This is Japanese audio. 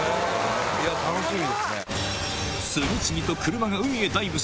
楽しみですね。